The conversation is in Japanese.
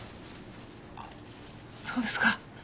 あっそうですか。